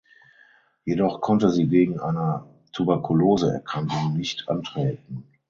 Jedoch konnte sie wegen einer Tuberkuloseerkrankung nicht antreten.